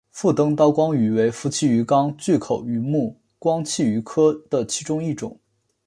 腹灯刀光鱼为辐鳍鱼纲巨口鱼目光器鱼科的其中一种。